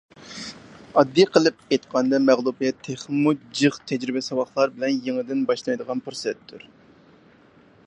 ئاددىي قىلىپ ئېيتقاندا مەغلۇبىيەت تېخىمۇ جىق تەجرىبە-ساۋاقلار بىلەن يېڭىدىن باشلايدىغان پۇرسەتتۇر.